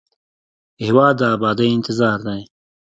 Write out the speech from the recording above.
هېواد د ابادۍ انتظار دی.